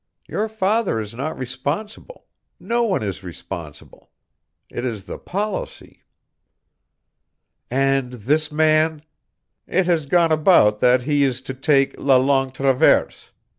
Your father is not responsible; no one is responsible. It is the policy." "And this man " "It has gone about that he is to take la Longue Traverse.